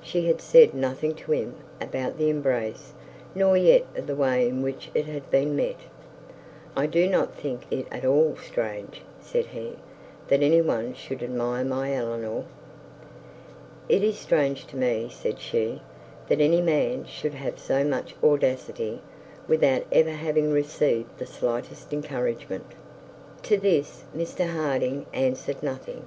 She had said nothing to him about the embrace, nor yet of the way in which it had been met. 'I do not think it at all strange,' said he, 'that any one should admire my Eleanor.' 'It is strange to me,' said she, 'that any man should have so much audacity, without ever having received the slightest encouragement.' To this Mr Harding answered nothing.